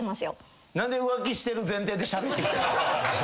何で浮気してる前提でしゃべってきた？